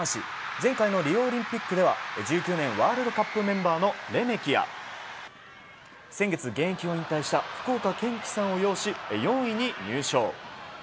前回のリオオリンピックでは１９年ワールドカップメンバーのレメキや先月、現役を引退した福岡堅樹さんを擁し、４位に入賞。